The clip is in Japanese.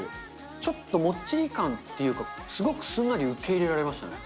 ちょっともっちり感っていうか、すごくすんなり受け入れられましたね。